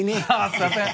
すいません！